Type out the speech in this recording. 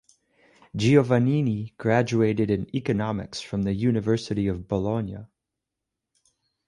Giovannini graduated in Economics from the University of Bologna.